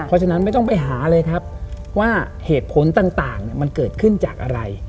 เพราะฉะนั้นไม่ต้องไปหาเลยครับว่าเหตุผลต่างมันเกิดขึ้นจากอะไร